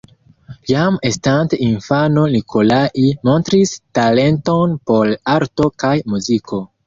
Jam estante infano Nikolai montris talenton por arto kaj muziko.